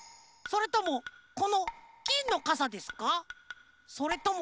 それともこのぎんのかさでしょうか？